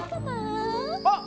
あっ！